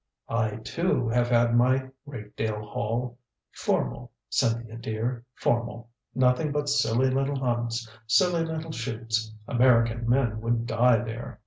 "I, too, have had my Rakedale Hall. Formal, Cynthia dear, formal. Nothing but silly little hunts, silly little shoots American men would die there.